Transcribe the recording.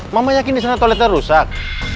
ma yang yakin di sana toiletnya rusak